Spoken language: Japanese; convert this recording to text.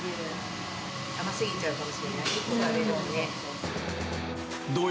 甘すぎちゃうかもしれないね。